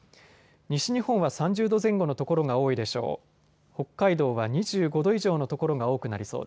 西日本は３０度前後の所が多いでしょう。